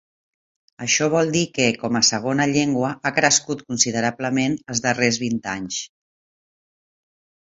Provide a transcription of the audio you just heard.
Això vol dir que, com a segona llengua, ha crescut considerablement els darrers vint anys.